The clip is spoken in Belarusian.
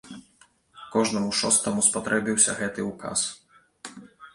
Кожнаму шостаму спатрэбіўся гэты ўказ.